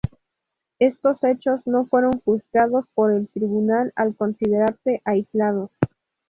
Estos hechos no fueron juzgados por el Tribunal al considerarse aislados.